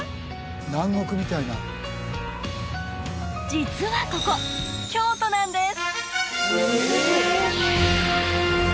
南国みたいな実はここ京都なんです